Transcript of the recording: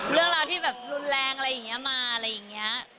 เรื่องราวที่แบบรุนแรงอะไรอย่างนี้มาอะไรอย่างนี้